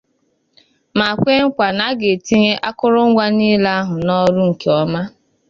ma kwe nkwà na a ga-etinye akụrụngwa niile ahụ n'ọrụ nke ọma